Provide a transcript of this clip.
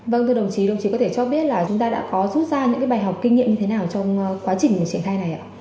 vâng thưa đồng chí đồng chí có thể cho biết là chúng ta đã có rút ra những bài học kinh nghiệm như thế nào trong quá trình triển khai này ạ